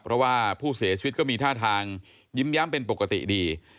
เพราะว่าผู้เสียชีวิตก็มีท่าทางยิ้มแย้มเป็นปกติดี